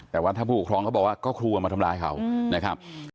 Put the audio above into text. แต่ว่าถ้าผู้ปกครองเขาบอกว่าก็ครูเอามาทำร้ายเขานะครับ